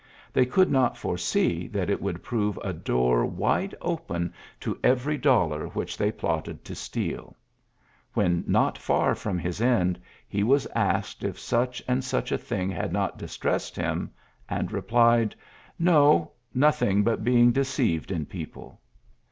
They could not foresee that it would prove a door wide open to every dollar which they plotted to steal. When not fer from his end, he was asked if such and such a thing had not distressed him, and replied, "No, nothing but being de €5eived in people.''